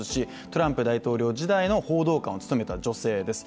トランプ大統領時代の報道官を務めた女性です